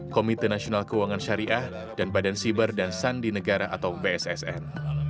komite nasional keuangan syariah dan badan siber dan sandi negara atau bssn